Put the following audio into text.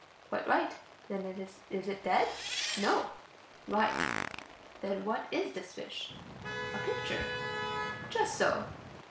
"Quite right. Then is it dead?" "No." "Right. Then what is this fish?" "A picture." "Just so.